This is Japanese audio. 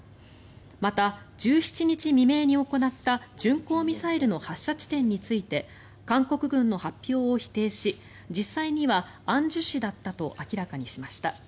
また、１７日未明に行った巡航ミサイルの発射地点について韓国軍の発表を否定し実際には安州市だったと明らかにしました。